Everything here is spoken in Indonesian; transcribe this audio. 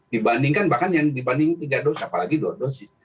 dibandingkan bahkan yang dibanding tiga dosis apalagi dua dosis